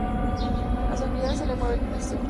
A Sofía se le mueve el piso.